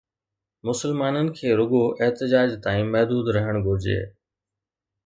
مسلمانن کي رڳو احتجاج تائين محدود رهڻ گهرجي